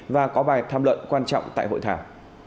và có bài tham luận quan trọng tại hội thảo